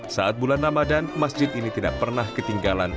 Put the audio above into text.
saat bulan ramadan masjid ini tidak pernah ketinggalan